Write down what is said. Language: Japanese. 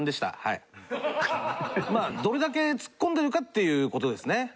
どれだけ突っ込んでるかっていう事ですね。